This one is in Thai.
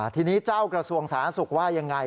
ทีนี้เจ้ากระทรวงสาธารณสุขว่ายังไง